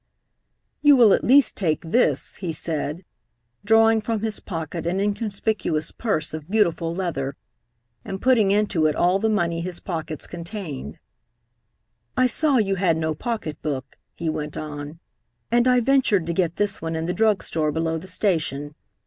"You will at least take this," he said, drawing from his pocket an inconspicuous purse of beautiful leather, and putting into it all the money his pockets contained. "I saw you had no pocketbook," he went on, "and I ventured to get this one in the drug store below the station.